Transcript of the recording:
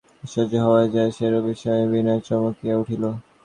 হঠাৎ দৈববাণী হইলে মানুষ যেমন আশ্চর্য হইয়া যায় সেইরূপ বিস্ময়ে বিনয় চমকিয়া উঠিল।